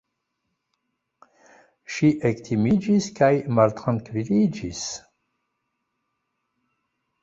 Ŝi ektimiĝis kaj maltrankviliĝis.